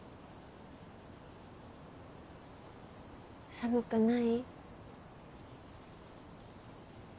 寒くない？